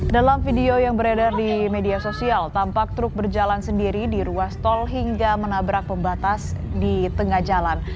dalam video yang beredar di media sosial tampak truk berjalan sendiri di ruas tol hingga menabrak pembatas di tengah jalan